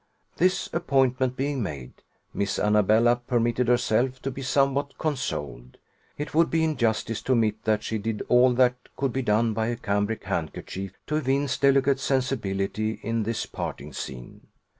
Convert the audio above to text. This appointment being made, Miss Annabella permitted herself to be somewhat consoled. It would be injustice to omit that she did all that could be done by a cambric handkerchief to evince delicate sensibility in this parting scene.